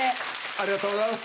ありがとうございます。